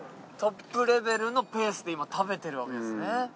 トップレベルのペースで今食べてるわけですね。